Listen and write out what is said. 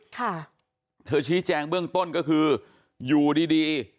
ค่ะเธอชี้แจงเบื้องต้นก็คืออยู่ดีดี